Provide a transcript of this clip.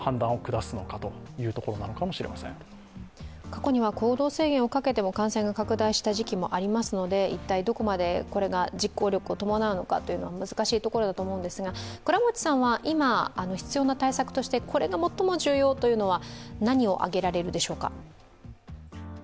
過去には行動制限をかけても感染が拡大した時期もありますので、一体どこまでこれが実効力を伴うのか難しいところだと思いますが、倉持さんは今、必要な対策としてこれが最も重要というのは何を挙げられるでしょうか？